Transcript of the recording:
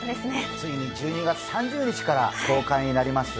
ついに１２月３０日から公開になります。